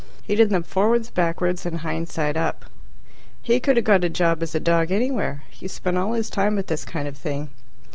He did them forwards, backwards, and hind side up. He could have got a job as a dog anywhere. He spent all his time at this kind of thing.